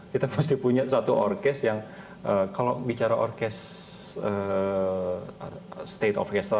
kita mesti punya satu orkest yang kalau bicara orkest state of orkestra